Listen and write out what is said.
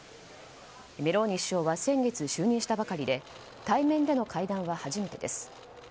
メローニ首相は先月就任したばかりで対面での会談は初めてです。